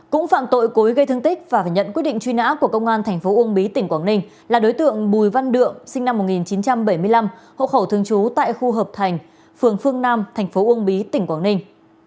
cũng phạm tội cố ý gây thương tích và phải nhận quyết định truy nã của công an tp uông bí tỉnh quảng ninh là đối tượng bùi văn đượng sinh năm một nghìn chín trăm bảy mươi năm hộ khẩu thương chú tại khu hợp thành phường phương nam tp uông bí tỉnh quảng ninh